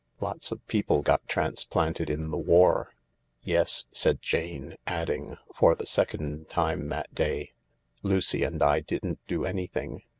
Lots of people got transplanted in the war." "Yes," said Jane, adding, for the second time that day, " Lucy and I didn't do anything.